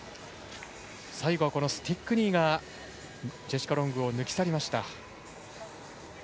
最後はスティックニーがジェシカ・ロングを抜き去りました。